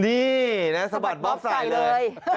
นี่นะสะบัดบ๊อบใส่เลย